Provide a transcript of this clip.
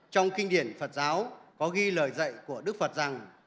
trong kinh điển phật giáo có ghi lời dạy của đức phật rằng